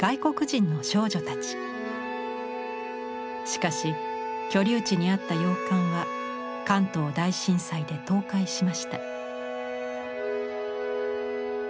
しかし居留地にあった洋館は関東大震災で倒壊しました。